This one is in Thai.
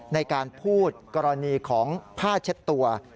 ในการพูดกรณีของผ้าเช็ดตัว